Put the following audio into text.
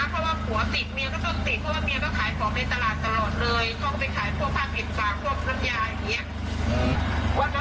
วันนั้นเขาโทรมาบอกวันนั้นบอกว่า